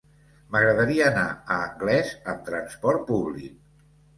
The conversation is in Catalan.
M'agradaria anar a Anglès amb trasport públic.